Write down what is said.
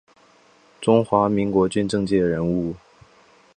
中华民国军政界人物。